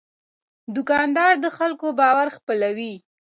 دوکاندار د خلکو باور خپلوي.